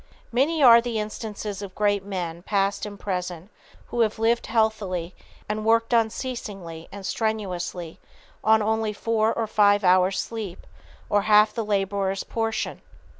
Many are the instances of great men, past and present, who have lived healthily and worked unceasingly and strenuously on only four or five hours of sleep, or half the laborer's portion.